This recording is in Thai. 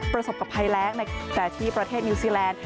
ประสบกับภัยแรงแต่ที่ประเทศนิวซีแลนด์